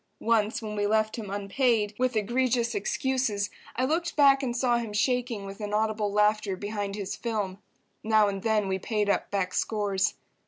Once when we left him unpaid, with egregious excuses, I looked back and saw him shaking with inaudible laughter behind his film. Now and then we paid up back scores.